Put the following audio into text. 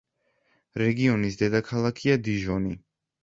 რეგიონის დედაქალაქია დიჟონი.